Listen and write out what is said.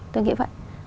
tôi nghĩ vậy